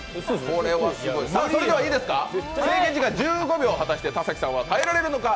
制限時間１５秒、果たして田崎さんは耐えられるのか？